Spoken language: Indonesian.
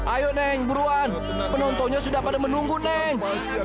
ayo neng buruan penontonnya sudah pada menunggu neng